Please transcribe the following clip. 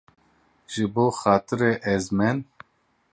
Ji bo xatirê ezmên.